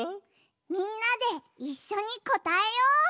みんなでいっしょにこたえよう！